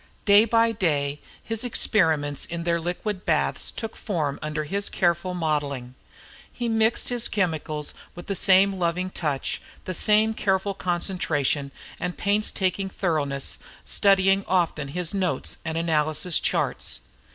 Day by day his experiments in their liquid baths took form under his careful modeling. He mixed his chemicals with the same loving touch, the same careful concentration and painstaking thoroughness, studying often his notes and analysis charts.